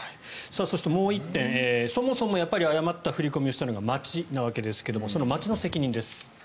そしてもう１点そもそも誤った振り込みをしたのが町なわけですがその町の責任です。